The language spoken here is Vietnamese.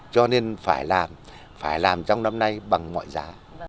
cho nên phải làm phải làm trong năm nay bằng mọi giá